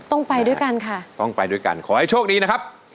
ต้องไปด้วยกันค่ะต้องไปด้วยกันขอให้โชคดีนะครับ